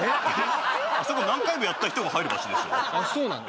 あそこ何回もやった人が入る場所でしょそうなの？